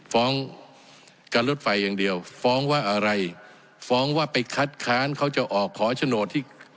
ฟ้องการรถไฟอย่างเดียวฟ้องว่าอะไรฟ้องว่าไปคัดค้านเขาจะออกขอโฉนดที่